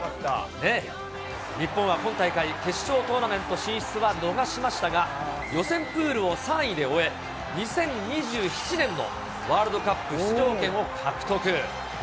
日本は今大会、決勝トーナメント進出は逃しましたが、予選プールを３位で終え、２０２７年のワールドカップ出場権を獲得。